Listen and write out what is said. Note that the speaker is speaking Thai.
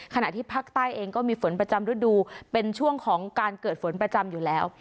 ขณะที่ภาคใต้เองก็มีฝนประจำฤดูเป็นช่วงของการเกิดฝนประจำอยู่แล้ว